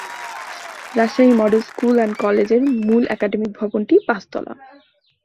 Rajshahi model school and college এর মূল academic ভবনটি পাঁচ তলা।